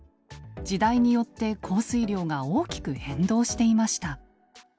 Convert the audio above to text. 時代によって降水量が大きく変動していました。